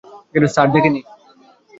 Sir, দেখেনি।